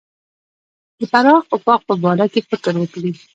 د پراخ افق په باره کې فکر وکړي.